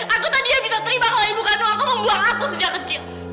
aku tadi ya bisa terima kalau ibu kandung aku membuang aku sejak kecil